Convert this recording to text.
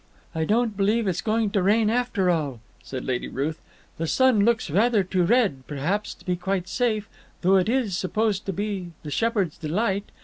"I don't believe it's going to rain after all," said Lady Ruth. "The sun looks rather too red, perhaps, to be quite safe, though it is supposed to be the shepherd's delight.